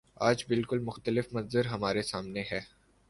آج بالکل مختلف منظر ہمارے سامنے ہے۔